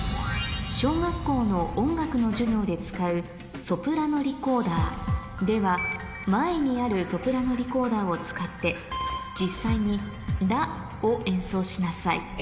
小学校の音楽の授業で使うでは前にあるソプラノリコーダーを使って実際に「ラ」を演奏しなさい